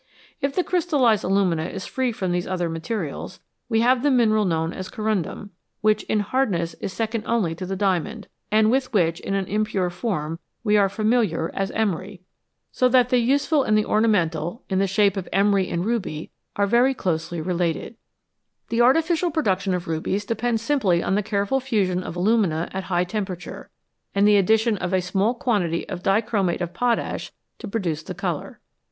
If the crystallised alumina is free from these other materials, we have the mineral known as corundum, which in hardness is second only to the diamond, and with which, in an impure form, we are familiar as emery. So that the useful and the 257 R HOW MAN COMPETES WITH NATURE ornamental, in the shape of emery and ruby, are very closely related. The artificial production of rubies depends simply on the careful fusion of alumina at a high temperature, and the addition of a small quantity of dichromate of potash to produce the colour.